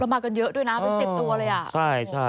ระมัดกันเยอะด้วยนะเต็ม๑๐ตัวเลย